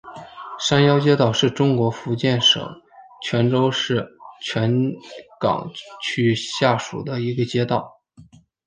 山腰街道是中国福建省泉州市泉港区下辖的一个街道。